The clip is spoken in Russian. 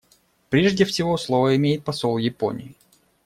Прежде всего слово имеет посол Японии.